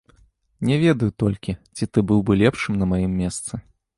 Не ведаю толькі, ці ты быў бы лепшым, на маім месцы.